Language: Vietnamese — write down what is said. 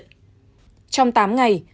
trong tám ngày